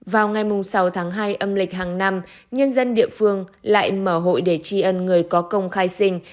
vào ngày sáu tháng hai âm lịch hàng năm nhân dân địa phương lại mở hội để tri ân người có công khai sinh